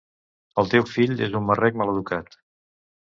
El teu fill és un marrec maleducat.